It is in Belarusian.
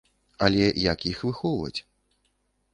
Але як іх выхоўваць?